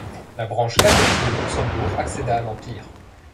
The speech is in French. La branche cadette de Luxembourg accéda à l'Empire.